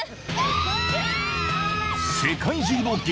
［世界中の激